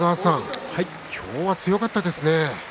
今日は強かったですね。